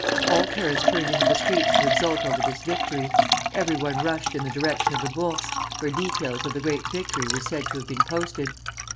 All Paris turned into the streets to exult over this victory; everyone rushed in the direction of the Bourse, where details of the great victory were said to have been posted.